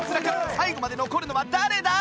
最後まで残るのは誰だ？